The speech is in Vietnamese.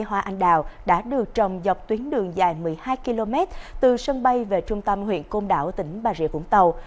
hoa anh đào đã được trồng dọc tuyến đường dài một mươi hai km từ sân bay về trung tâm huyện côn đảo tỉnh bà rịa vũng tàu